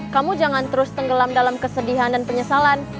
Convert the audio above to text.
kamu jangan terus tenggelam dalam kesedihan dan penyesalan